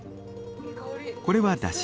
これはだし。